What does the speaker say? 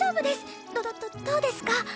どどどどうですか？